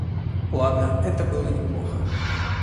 Ладно, это было неплохо.